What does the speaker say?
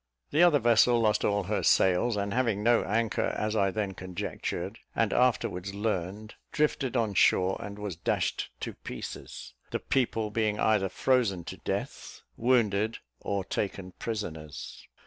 The other vessel lost all her sails, and, having no anchor, as I then conjectured, and afterwards learned, drifted on shore, and was dashed to pieces, the people being either frozen to death, wounded, or taken prisoners.